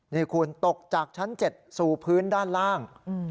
นี่คุณตกจากชั้น๗สู่พื้นด้านล่าง